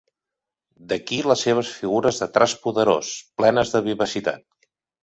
D'aquí les seves figures de traç poderós, plenes de vivacitat.